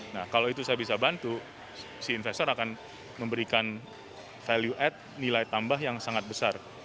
nah kalau itu saya bisa bantu si investor akan memberikan value ad nilai tambah yang sangat besar